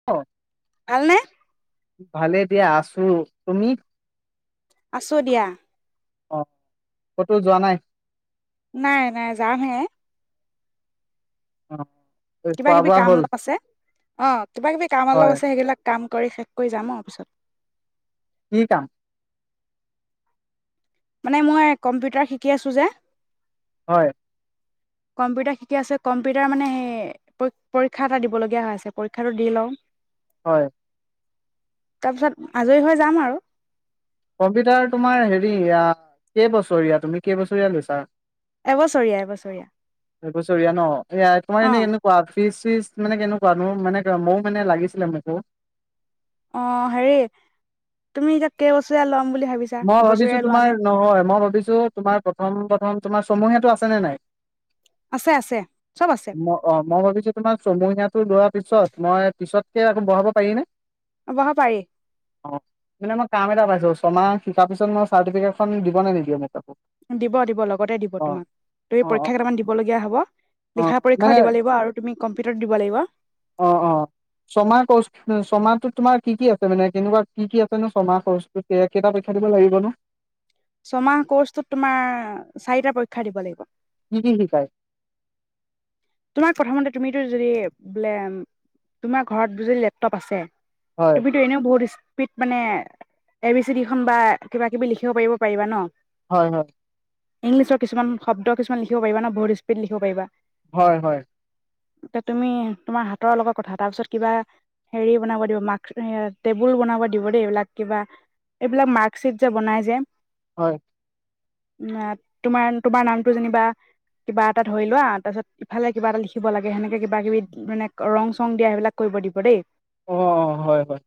[unintelligible] ভালনে? ভালে দিয়া আছো তুমি? আছোঁ দিয়া। অ', কতো যোৱা নাই? নাই নাই যামহে। অ'। কিবা খোৱা কিবি বোৱা কাম হ'ল অলপ আছে, অ', কিবা কিবি কাম অলপ হয় আছে সেইবিলাক কাম কৰি শেষ কৰি যাম অ' পিছত। কি কাম? মানে মই এ, কম্পিউটাৰ শিকি আছোঁ যে। হয়। কম্পিউটাৰ শিকি আছোঁ, কম্পিউটাৰ মানে সেই পৰীক্ষা এটা দিবলগীয়া হৈ আছে, পৰীক্ষাটো দি লওঁ। হয়। তাৰপিছত আজৰি হৈ যাম আৰু। কম্পিউটাৰ তোমাৰ হেৰি, কেইবছৰীয়া? তুমি কেইবছৰীয়া লৈছা? এবছৰীয়া এবছৰীয়া এইবছৰীয়া ন', এয়া তোমাৰ এনে অ' এ কোৱা ফিচ চিচ মানে কেনেকুৱানো, মানে ময়ো মানে লাগিছিলে মোকো। অ', হেৰি তুমি এতিয়া কেইবছীয়া ল'ম বুলি ভাবিছা? মই ভাবিছোঁ এবছৰীয়া লোৱা নে? তোমাৰ নহয় মই ভাবিছোঁ তোমাৰ প্ৰথম প্ৰথম, তোমাৰ ছমহীয়াটো আছেনে নাই? আছে আছে, চব আছে। ম অ' মই ভাবিছোঁ তোমাৰ ছমহীয়াটো লোৱাৰ পিছত মই পিছতকে আকৌ বঢ়াব পাৰি নে? অ' বঢ়া পাৰি। অ' মানে মই কাম এটা পাইছোঁ, ছমাহ শিকাৰ পিছত মই চাৰ্টিফিকেট দিব নে নিদিয়ে মোক? দিব দিব লগতে দিব অ তোমাক, তুমি অ অ পৰীক্ষা কেইটামান দিব লগগীয়া হ'ব। অ লিখা মানে পৰীক্ষাও দিব লাগিব আৰু তুমি কম্পিউটাৰত দিব লাগিব। অ', অ'। ছমাহ কৰ্চ, ছমাহটোত তোমাৰ কি কি আছে মানে কেনেকুৱা কি কি আছেনো ছমাহ কৰ্চ কেইটা পৰীক্ষ দিব লাগিবনো? ছমাহ কৰ্চটোত তোমাৰ চাৰিটা পৰীক্ষা দিব লাগিব। কি কি শিকাই? তোমাৰ প্ৰথমতে তুমিতো যদি ব্লে তোমাৰ ঘৰত যদি লেপটপ আছে হয়। তুমিতো এনেও বহুত স্পীড মানে এ বি চি ডিখন বা কিবা কিবি লিখিব পাৰিব পাৰিবা ন'। হয় হয়। ইলিছৰ কিছুমান শব্দ কিছুমান লিখিব পাৰিবা ন' বহুত স্পীড লিখিব পাৰিবা। হয় হয়। তে তুমি তোমাৰ হাতৰ লগত কথা তাৰপিছত কিবা হেৰি বনাব দিব মাক এ, টেবুল বনাব দিব দেই, এইবিলাক কিবা এইবিলাক মাৰ্কশ্বিট যে বনাই যে হয়। উ, তোমাৰ, তোমাৰ নামটো যেনিবা কিবা এটা ধৰি লোৱা তাৰপিছত ইফালে কিবা এটা লিখিব লাগে, সেনেকে কিবা কিবি মানে ৰং চং দিয়া সেইবিলাক কৰিব দিব দেই। অ', অ', হয় হয়।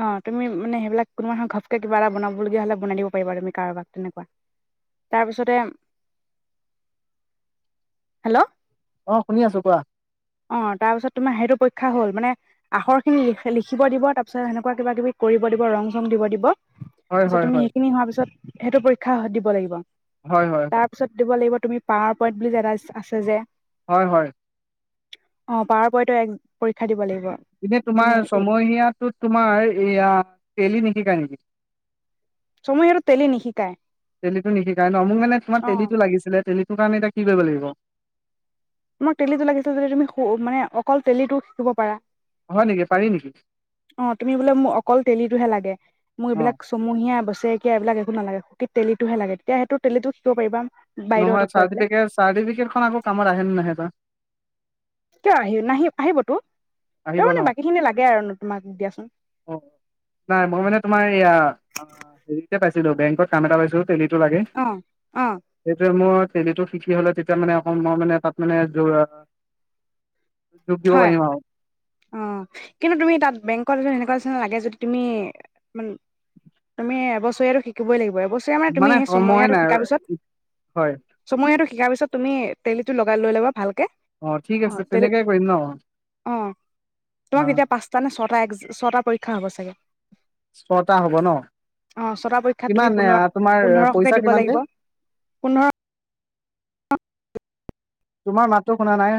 অ' তুমি মানে সেইবিলাক কোনোবাহ ঘপকে এটা বনাবলগীয়া হ'লে বনাই দিব পাৰিবা তুমি কাৰোবাক তেনেকুৱা। তাৰপিছতে, হেল্ল'। অ' শুনি আছোঁ কোৱা। অ' তাৰপিছত তোমাৰ সেইটো পৰীক্ষা হ'ল মানে আখৰখিনি লিখিব দিব তাৰপিছত সেনেকুৱা কিবা কিবি কৰিব দিব, ৰং চং দিব দিব হয় পাছত হয় তুমি হয় সেইখিনি হোৱাৰ পিছত সেইটো পৰীক্ষা দিব লাগিব। হয় হয় হয়। তাৰ পিছত দিব লাগিব তুমি পাৱাৰ পইণ্ট বুলি এটা আছে যে হয় হয় অ পাৱৰ পইণ্টৰ এক পৰীক্ষা দিব লাগিব এনে তোমাৰ মানে ছমহীয়াটোত তোমাৰ এয়া তেলি নিশিকাই নেকি চমু সিহঁতক টেলি নিশিকায়। তেলিটো নিশিকাই ন মোক মানে তোমাৰ অ', তেলিটো লাগিছিলে তেলি সেইটো কাৰণে এতিয়া কি কৰিব লাগিব তোমাক তেলিটো লাগিছে যদি তুমি সো মানে অকল তেলিটো শিকিব পাৰা হয় নেকি পাৰি নেকি অ তুমি বোলে মোক অকল তেলিটোহে লাগে মোৰ অ এইবিলাক ছমহীয়া বছেৰেকীয়া এইবিলাক একো নালাগে তেলীটোহে লাগে তেতিয়া সেইটো তেলিটো শিকিব পাৰিবা নহয় বাইদেউহঁতক কৈ পেলাই চাৰ্টিফিকেট চাৰ্টিফিকেট খন আকৌ কামত আহে নাহে বা কিয় আহি নাহি আহিবতো আহিব তাৰ ন মানে বাকী খিনি লাগে আৰু নো তোমাক দিয়াচোন অ নাই মই মানে তোমাৰ এইয়া হেৰি এটা পাইছিলো বেংকত কাম এটা পাইছো তেলীটো লাগে অ অ সেইোৱে মই তেলিটো শিকি হলে তেতিয়া মানে অকন মই মানে তাত মানে জোৰা যোগ দিব হয় পাৰিম আৰু অ কিন্তু তুমি তাত বেংকৰ এনেকুৱা নিচিনা লাগে যদি তুমি অকমান তুমি এবছৰীয়াটো শিকিবই লাগিব এবছৰীয়া মানে তুমি সেই সময় ছমহীয়াটো নাই আৰু শিকাৰ পিছত হয় ছমহীয়াটো শিকাৰ পিছত তুমি তেলিটো লগাই লৈ ল'বা ভালকে অ ঠিক আছে তেনেকাই কৰিম ন অ অ তোমাক এতিয়া পাঁচটা নে ছটা ছটা পৰীক্ষা হ'ব চাগে ছটা হ'ব ন অ ছটা পৰীক্ষাত কিমান তুমি এ পোন্ধৰ তোমাৰ পোন্ধৰশকে পইচা দিব কিমানকে লাগিব পোন্ধৰ তোমাৰ মাততো শুনা নাই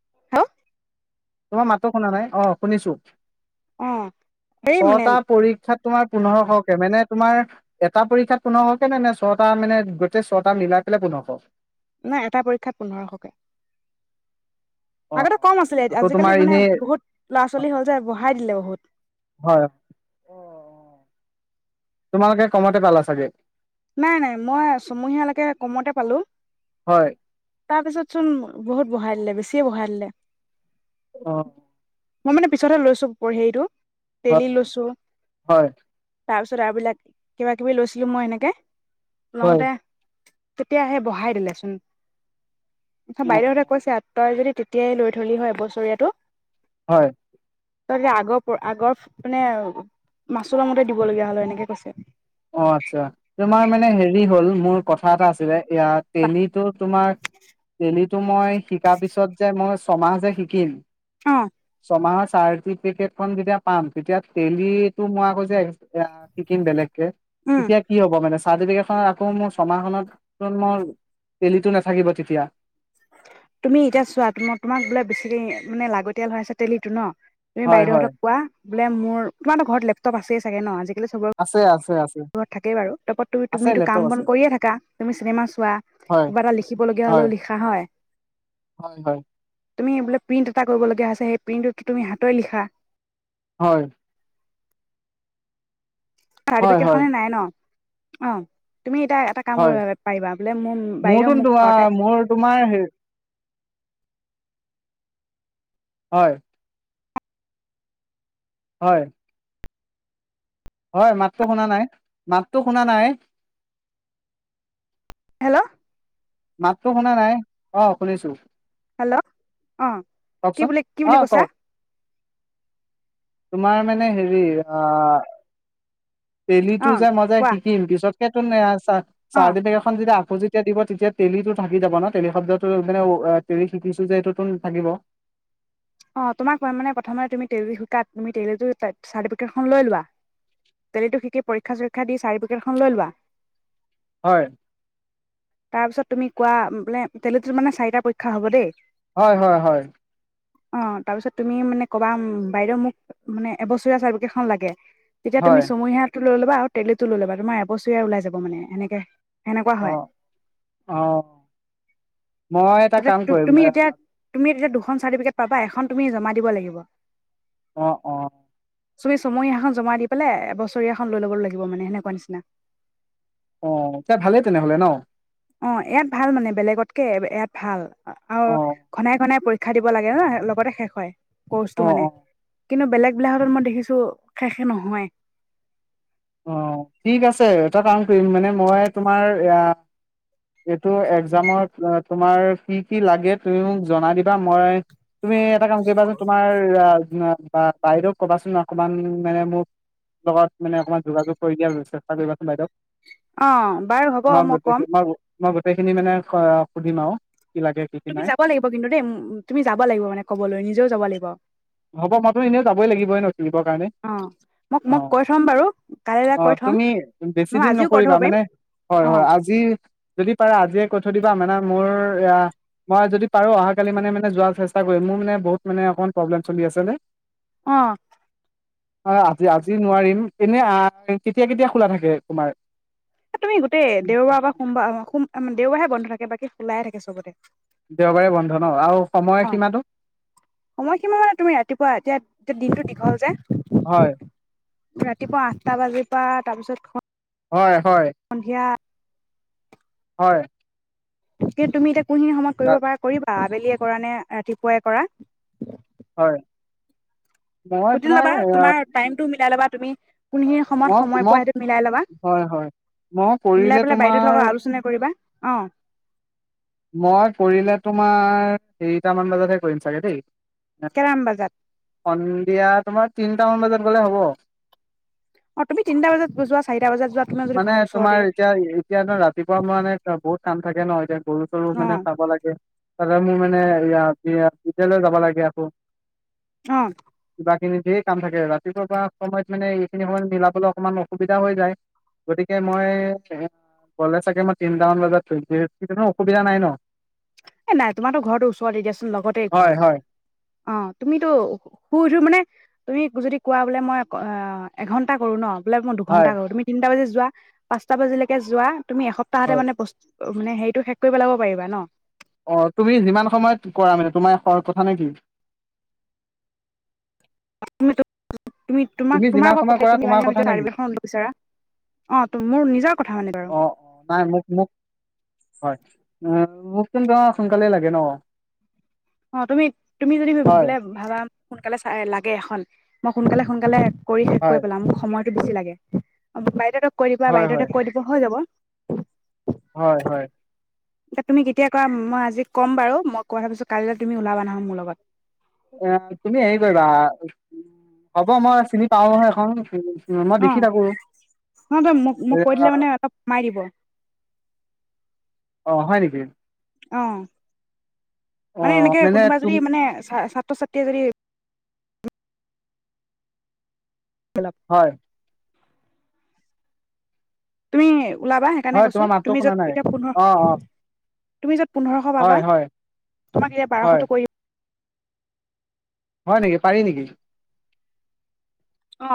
[unintelligible] তোমাৰ মাততো শুনা নাই অ শুনিছো অ', হেৰি মানে ছটা পৰীক্ষাত তোমাৰ পোন্ধৰশকে মানে তোমাৰ এটা পৰীক্ষাত পোন্ধৰশকে নে নে ছয়টা মানে গোটেই ছটা মিলাই পেলাই পোন্ধৰশ নাই এটা পৰীক্ষাত পোন্ধৰশকে অ আগতে কম আছিলে আকৌ আজিকালি তোমাৰ মানে এনেই বহুত ল'ৰা ছোৱালী হ'ল যে বঢ়াই দিলে বহুত হয় তোমালোকে কমতে পালা চাগে নাই নাই মই চমহীয়ালৈকে কমতে পালো হয় তাৰপিছত চোন বহুত বহাই দিলে বেছিয়ে বহাই দিলে অ মই মানে পিছতহে লৈছো পৰ হেৰিটো হয় তেলি হয় লৈছো হয় তাৰপিছত আৰু এইবিলাক কিবা কিবি লৈছিলো মই এনেকে হয় লওঁতে তেতিয়া সেই বহাই দিলেচোন অ বাইদেউহঁতে কৈছে তই যদি তেতিয়াই লৈ থলি হয় এবছৰীয়াটো হয় তই তেতিয়া আগৰ আগৰ মানে মাচুলৰ মতে দিব লগীয়া হল হয় এনেকে কৈছে অ আচ্ছা তোমাৰ মানে হেৰি হ'ল মোৰ কথা এটা আছিলে এতিয়া তেলিটো তোমাৰ তেলিটো মই শিকাৰ পিছত যে মই ছমাহ যে শিকিম অহ ছমাহৰ চাটিফিকেট খন যেতিয়া পাম তেতিয়া তেলিটো মই আকৌ যে শিকিম বেলেগেকে উম তেতিয়া কি হ'ব মানে চাৰ্টিফিকেট খন আকৌ মোৰ ছমাহখনত মোৰ টেলিটো নাথাকিব তেতিয়া। তুমি এতিয়া চোৱা তোমাৰ তোমাক বোলে বেছি দিন মানে লাগতিয়াল হৈ আছে তেলিটো ন। তুমি হয় বাইদেউহত হয় কোৱা বোলে মোৰো তোমাৰ এটা ঘৰত লেপটপ আছেই চাগে ন আজি আছে, আছে। আছে ঘৰত থাকেই বাৰু তাৰপৰ আছে তুমিতো লেপটপ কাম বন আছে কৰিয়ে থাকা তুমি চিনেমা চোৱা। হয় কিবা এটা লিখিব লগীয়া হয় হলেও লিখা হয়। হয়, হয়। তুমি বোলে প্ৰিণ্ট এটা কৰিবলগীয়া আছে সেই প্ৰিণ্টতো তুমি হাতৰে লিখা। হয়। হয় চটিফিকেট হয় খনে নাই ন অহ তুমি এতিয়া এটা কাম হয় কৰিব পাৰিবা বোলে মোৰ মোৰতো বাইদেউ মোক তোমাৰ ঘৰতে মোৰ তোমাৰ সেই হয়। হয়। হয়, মাতটো শুনা নাই, মাতটো শুনা নাই। হেল্ল'। মাততো শুনা নাই অহ শুনিছোঁ। হেল্ল' অ কি কওকচোন বুলি কি বুলি অ', কৈছা কওক তোমাৰ মানে হেৰি আহ টেলিটো অ', যে মই যায় কোৱা শিকিম পিছত সেইটো নে অ', চাৰ্টিফিকেট খন যেতিয়া আকৌ যেতিয়া দিব তেতিয়া টেলিটো থাকি যাব ন টেলি শব্দতো মানে টেলি শিকিছোঁ যে এইটোতো থাকিব। অহ তোমাক মানে প্ৰথমে তুমি তেলি শিকাত তুমি তেলিটো চাৰ্টিফিকেটখন লৈ লোৱা। তেলিটো শিকি পৰীক্ষা চৰীক্ষা দি চাৰটিফিকেটখন লৈ লোৱা। হয়। তাৰপিছত তুমি কোৱা বোলে তেলিটোৰ মানে চাৰিটা পৰীক্ষা হ'ব দেই হয়, হয়, হয়। অ', তাৰপিছত তুমি মানে ক'বা বাইদেউ মোক মানে এবছৰীয়া চাৰ্টিফিকেট খন লাগে। এতিয়া তুমি হয় চমহীয়াতটো লৈ ল'বা আৰু তেললেটো লৈ ল'তোমাৰ এবছৰীয়া ওলাই যাব মানে এনেকে। সেনেকুৱা অ হয় অ মই এটা তাতে কাম কৰিম তুমি এ এতিয়া তুমি তেতিয়া দুখন চাৰ্টিফিকেট পাবা এখন তুমি জমা দিব লাগিব। অহ, অহ। তুমি চমহীয়াখন জমাই দি পেলে এবছৰীয়াখন লৈ ল'ব লাগিব মানে সেনেকুৱা নিচিনা। অহ, তো ভালেই তেনেহলে ন। অহ ইয়াত ভাল মানে বেলেগতকে ইয়াত ভাল আৰু অ ঘনাই, ঘনাই পৰীক্ষা দিব লাগে ন লগতে শেষ হয় অ কৰ্চটো অ মানে। কিন্তু বেলেগ বিলাকতত মই দেখিছোঁ শেষে নহয়। অ', ঠিক আছে এটা কাম কৰিম মানে মই তোমাৰ এ এইটো এক্সাম তোমাৰ কি, কি লাগে তুমি মোক জনাই দিবা মই তুমি এটা কাম কৰিবাচোন তোমাৰ বা বাইদেউ ক'বাচোন অকমান মানে মোৰ লগত মানে অকমান অ বাৰু হ'ব মই ক'ম [unintelligible] মই গোটেই খিনি মানে সুধিম আৰু। কি লাগে কি কি তুমি নাই যাব লাগিব কিন্তু দেই তুমি যাব লাগিব মানে কবলৈ নিজেও যাব লাগিব। হ'ব মইাতো এনেও যাবই লাগিবই, [unintelligible] কাৰণে অ মোক মোক অ'। কৈ থ'ম বাৰু কাইলৈ কৈ অ', থ'ম তুমি বেছি নহয় দিন আজিও কৈ থ'ব নকৰিবা পাৰিম মানে হয়, অ হয়, আজি যদি পাৰে আজিয়ে কৈ থৈ দিবা মানে মোৰ এয়া মই যদি পাৰো অহাকালি মানে মানে যোৱাৰ চেষ্টা কৰিম, মোৰ মানে বহুত মানে অকমান প্ৰব্লেম চলি আছে যে। অ'। অ', আজি আজি নোৱাৰিম এনে কেতিয়া কেতিয়া খোলা থাকে তোমাৰ? তুমি গোটেই দেওবাৰ বা সোমবাৰ দেওবাৰে হে বন্ধ থাকে বাকী খোলাই থাকে চবতে। দেওবাৰে বন্ধ ন' আৰু সময় সীমাটো? সময় কিমান মানে তুমি ৰাতিপুৱা এতিয়া এতিয়া দিনটো দীঘল যে। হয়। ৰাতিপুৱা আঠটা বাজিৰ পৰা তাৰপিছত হয়, হয়। সন্ধিয়া হয়। কিন্তু তুমি এতিয়া কোনখিনি সময়ত কৰিব পাৰা কৰিবা, আবেলিয়ে কৰা নে ৰাতিপুৱাই কৰা। হয়, মই তোমাৰ টো মিলাই লবা তুমি কোনখিনি সময়ত মোক সময় পোৱা মোক সেইটো মিলাই ল'বা। হয় হয় মই মিলাই কৰিলে পেলাই বাইদউৰ তোমাৰ লগত আলোচনা কৰিবা অ'। মই কৰিলে তোমাৰ হেৰিটামান বজাতহে কৰিম চাগে দেই। কেটামান বজাত? সন্ধিয়া তোমাৰ তিনটা মান বজাত গ'লে হ'ব? অ', তুমি তিনিটা বজাত যোৱা চাৰটা বজাত যোৱা তোমাৰ যদি মানে ঘৰৰ ওচৰতে তোমাৰ এতিয়া এতিয়া ন' ৰাতিপুৱা মানে বহুত কাম থাকে ন' এতিয়া গৰু-চৰু অ মানে চাব লাগে। তাতে মোৰ মানে বিদয়ালয় যাব লাগে আকৌ। অহ। কিবা কিনি ধেৰ কাম থাকে ৰাতিপুৱা পৰা সময়ত মানে এইখিনি সময়ত মিলাবলৈ অকমান অসুবিধা হৈ যায়। গতিকে মই গ'লে চাগে মই তিনিটামান বজাত কৰিম কোনো অসুবিধা নাই ন'? এ নাই তোমাৰো ঘৰটো ওচৰতে দিয়াচোন লগতে হয় ঘৰ। হয় অ', তুমিতো শুই উঠি মানে তুমি যদি কোৱা বোলে মই এঘণ্টা কৰো ন'! বোলে মই হয় দুঘন্টা কৰোঁ, তুমি তিনিটা বাজি যোৱা পাঁচটা বাজিলৈকে যোৱা তুমি এসপ্তাহতে হয়। মানে প অ', মানে হেৰিটো শেষ কৰি লাগিব পাৰিবা ন'! অ', তুমি যিমান সময়ত কৰা মানে তোমাৰ কথা নেকি? তুমি তোমাক তোমাৰ ওপৰত কথা তুমি যিমান কিমান সময় কৰা দিনৰ তোমাৰ ভিতৰত কথা নে চাৰ্টিফিকেট কি? খন উলিয়াব বিচাৰা। অ', মোৰ নিজৰ কথা মানে বাৰু। অ' অ' নাই মোক মোক হয়, অ', মোক কিন্তু সোনকালেই লাগে ন'। অ', তুমি তুমি যদি হয় বোলে ভাবা সোনকালে চাই লাগে এখন মই সোনকালে সোনকালে কৰি শেষ কৰি হয় পেলাম, মোক সময়টো বেছি লাগে বদেউহঁতক কৈ দিবা হয় হয় বাইদেউহঁতক কৈ দিবা হৈ যাব। হয়, হয়। এ তুমি কেতিয়া কৰা মই আজি ক'ম বাৰু মই কৈ অহা পিছত কালিলৈ তুমি ওলাবা নহয় মোৰ লগত। এ তুমি হেৰি কৰিবা হ'ব মই চিনি পাওঁ নহয় এখন, উ, মই অ দেখি থাকো নহয় তই মোক মোক কৈ এয়া দিলে মানে অলপ কমাই দিব আহ হয় নেকি? অ', অ মানে এনেকে কোনোবা যদি তুম মানে ছাত্ৰ-ছাত্ৰীয়ে যদি [unintelligible] হয়। তুমি ওলাবা সেইকাৰণে হয় কৈছো, তোমাৰ মাতটো তুমি শুনা যত নাই এতিয়া পোন্ধৰ অ অ তুমি য'ত পোন্ধৰশ হয় পাবা, হয় তোমাক এতিয়া হয় বাৰশ কৰি হয় নেকি, পাৰি নেকি? অ